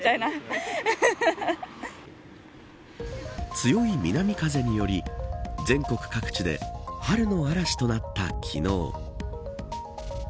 強い南風により全国各地で春の嵐となった昨日。